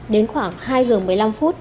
đến khoảng hai giờ một mươi năm phút